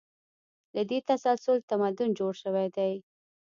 له دې تسلسل تمدن جوړ شوی دی.